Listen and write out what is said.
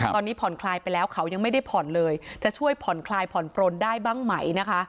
ตอนนี้ผ่อนคลายไปแล้วเขายังไม่ได้ผ่อนเลยจะช่วยผ่อนคลายผ่อนปลนได้บ้างไหมนะคะ